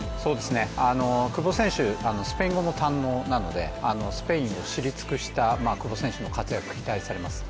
久保選手、スペイン語も堪能なのでスペインを知り尽くした久保選手の活躍期待されます。